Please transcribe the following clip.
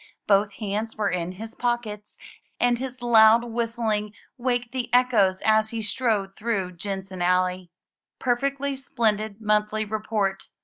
Both hands were in his pockets, and his loud whist ling waked the echoes as he strode through Jensen Alley. Perfectly splendid monthly re port